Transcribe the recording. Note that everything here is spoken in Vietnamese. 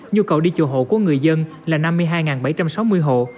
nhu cầu đi chùa hộ của người dân là năm mươi hai bảy trăm sáu mươi hộ